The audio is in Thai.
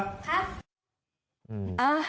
ขอคุณดูโทษ